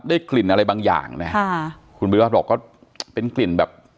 มีกลิ่นอะไรบางอย่างนะครับคุณภูริพัฒน์บอกก็เป็นกลิ่นแบบ